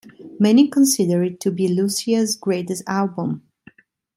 Many consider it to be Lussier's greatest album.